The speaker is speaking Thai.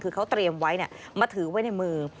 คือเขาเตรียมไว้มาถือไว้ในมือ